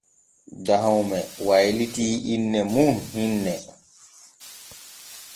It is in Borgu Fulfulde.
Dahome waylitii inne mum hinne.